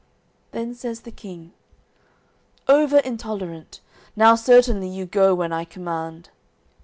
Then says the King: "Over intolerant. Now certainly you go when I command."